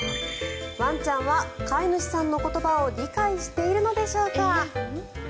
ワンちゃんは飼い主さんの言葉を理解しているのでしょうか。